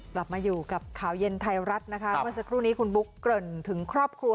กลับมาอยู่กับข่าวเย็นไทยรัฐนะคะเมื่อสักครู่นี้คุณบุ๊กเกริ่นถึงครอบครัว